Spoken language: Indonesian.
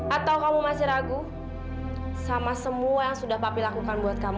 atau kamu masih ragu sama semua yang sudah papi lakukan buat kamu